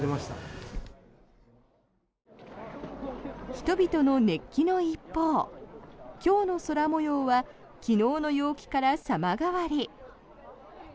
人々の熱気の一方今日の空模様は昨日の陽気から様変わり。